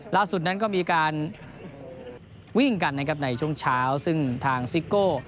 ล่าสุดนั้นก็มีการวิ่งกันนะครับในช่วงเช้าซึ่งทางซิโก้